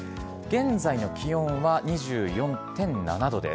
現在の気温は２４．７度です。